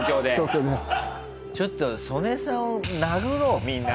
ちょっとソネさんを殴ろうみんなで。